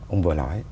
ông vừa nói